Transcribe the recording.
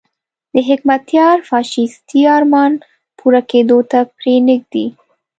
د حکمتیار فاشیستي ارمان پوره کېدو ته پرې نه ږدي.